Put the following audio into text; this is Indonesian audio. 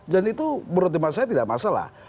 dan itu menurut saya tidak masalah